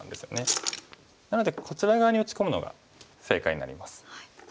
なのでこちら側に打ち込むのが正解になります。